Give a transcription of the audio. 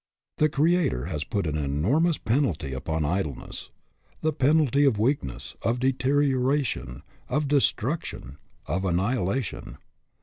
The Creator has put an enormous penalty upon idleness the penalty of weakness, of deterioration, of destruction, of annihilation.